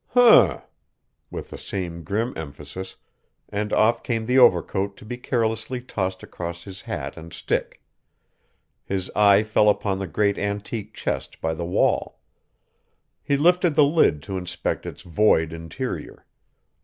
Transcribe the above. "H'm," with the same grim emphasis, and off came the overcoat to be carelessly tossed across his hat and stick. His eye fell upon the great antique chest by the wall. He lifted the lid to inspect its void interior.